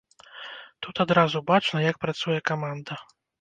Тут адразу бачна, як працуе каманда.